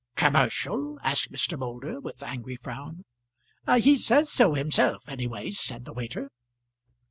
"Commercial?" asked Mr. Moulder, with angry frown. "He says so himself, anyways," said the waiter.